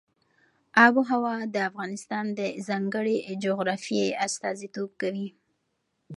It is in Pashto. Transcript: آب وهوا د افغانستان د ځانګړي جغرافیه استازیتوب کوي.